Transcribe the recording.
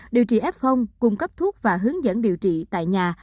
điều trị f cung cấp thuốc và hướng dẫn điều trị tại nhà